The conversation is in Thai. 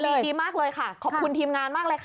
ดีมากเลยค่ะขอบคุณทีมงานมากเลยค่ะ